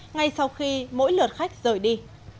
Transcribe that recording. ngay sau khi mỗi lượt khách rời đi